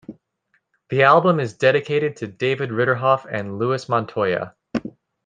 The album is dedicated to David Ridderhof and Louis Montoya.